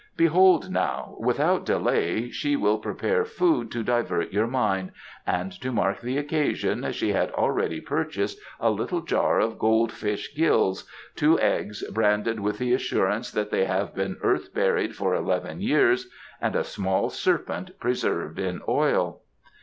Behold now, without delay she will prepare food to divert your mind, and to mark the occasion she had already purchased a little jar of gold fish gills, two eggs branded with the assurance that they have been earth buried for eleven years, and a small serpent preserved in oil."